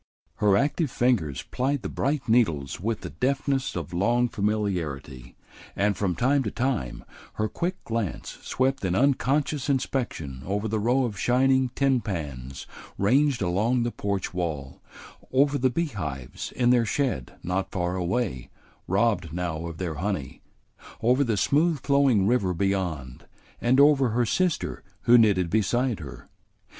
Her active fingers plied the bright needles with the deftness of long familiarity, and from time to time her quick glance swept in unconscious inspection over the row of shining tin pans ranged along the porch wall, over the beehives in their shed not far away, robbed now of their honey, over the smooth flowing river beyond, and over her sister who knitted beside her.